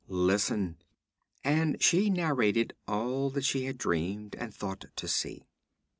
Listen!' And she narrated all that she had dreamed and thought to see.